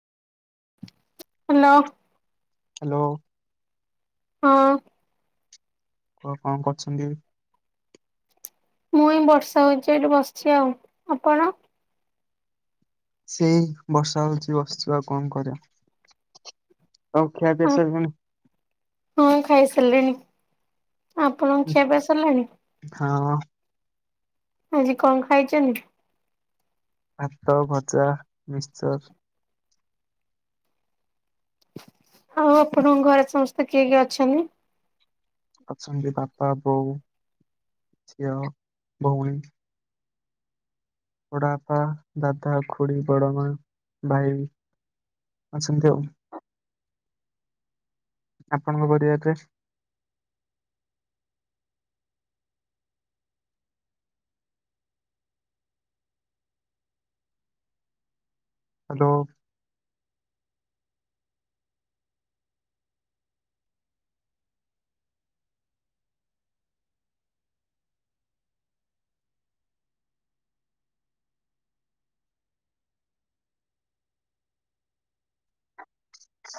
Hello. Hello. ହଁ। କୁହ କଣ କରୁଚନ୍ତି ଏବେ? ମୁଁ ଏଇ ବର୍ଷା ହଉଚି ଏଠି ବସିଚି ଆଉ- ଆପଣ? ସେଇ ବର୍ଷା ହଉଚି ବସିଚି ଆଉ କଣ କରିବା। ଆଉ ଖିଆ ପିଆ ସଇଲାଣି? ହଁ- ଖାଇସାରିଲିଣି-ଆପଣଙ୍କ ଖିଆ ପିଆ ସରିଲାଣି? ହଁ। ଆଜି କଣ ଖାଇଚନ୍ତି? ଭାତ, ଭଜା, ମିଶ୍ଚର୍। ଆଉ ଆପଣଙ୍କ ଘରେ ସମସ୍ତେ କିଏ କିଏ ଅଛନ୍ତି? ଅଛନ୍ତି ବାପା, ବୋଉ, ଝିଅ-ଭଉଣୀ। ବଡବାପା, ଦାଦା, ଖୁଡ଼ି, ବଡ଼ମା, ଭାଇ ଅଛନ୍ତି ଆଉ। ଆପଣଙ୍କ ପରିବାରରେ? ହାଲୋ।